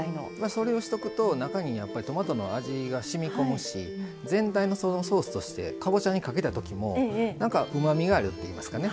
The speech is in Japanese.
それをしとくと中にトマトの味がしみこむし全体のソースとしてかぼちゃにかけたときもなんかうまみがあるっていいますかね